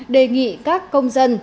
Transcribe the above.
đề nghị các công dân